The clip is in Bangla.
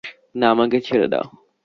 না, আমাকে ছেড়ে দাও!